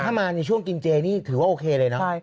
ถ้ามาในช่วงกินเจนี่ถือว่าโอเคเลยเนอะ